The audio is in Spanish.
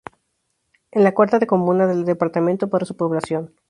Es la cuarta comuna del departamento por su población.